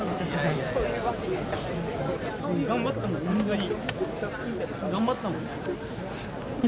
頑張ったよ、本当に。